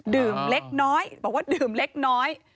เล็กน้อยบอกว่าดื่มเล็กน้อย